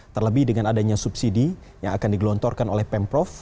terlebih dengan adanya subsidi yang akan digelontorkan oleh pemprov